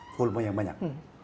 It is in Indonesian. fulma yang banyak